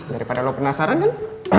daripada lo penasaran kan